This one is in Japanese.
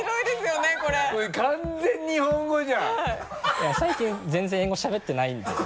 いやぁ最近全然英語しゃべってないんで。